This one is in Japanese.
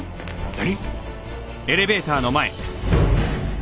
何！？